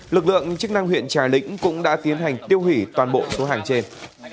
lực lượng chức năng huyện trà lĩnh cũng đã tiến hành tiêu hủy toàn bộ số hàng trên